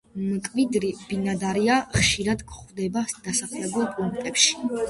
მკვიდრი ბინადარია, ხშირად გვხვდება დასახლებულ პუნქტებში.